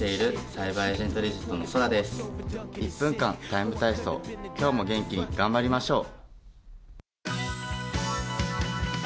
ＴＩＭＥ体操」今日も元気に頑張りましょう。